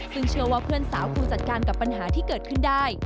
ซึ่งเชื่อว่าเพื่อนสาวคงจัดการกับปัญหาที่เกิดขึ้นได้